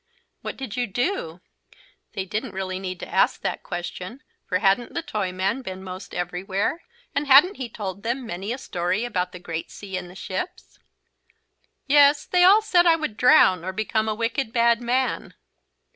"What did you do?" They didn't really need to ask that question, for hadn't the Toyman been most everywhere, and hadn't he told them many a story about the great sea and the ships? "Yes, they all said I would drown or become a wicked bad man."